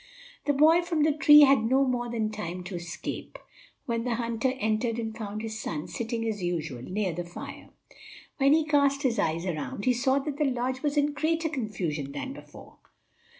The boy from the tree had no more than time to escape, when the hunter entered and found his son sitting as usual near the fire. When he cast his eyes around, he saw that the lodge was in greater confusion than before.